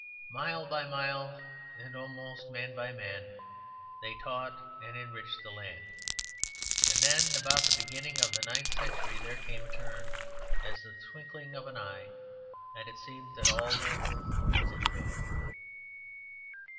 Mile by mile, and almost man by man, they taught and enriched the land. And then, about the beginning of the ninth century, there came a turn, as of the twinkling of an eye, and it seemed that all their work was in vain.